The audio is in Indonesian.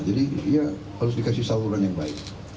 jadi harus dikasih saluran yang baik